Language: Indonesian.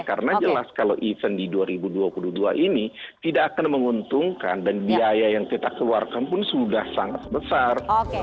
karena jelas kalau event di dua ribu dua puluh dua ini tidak akan menguntungkan dan biaya yang kita keluarkan pun sudah sangat besar